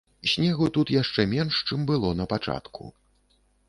Снегу тут яшчэ менш, чым было напачатку.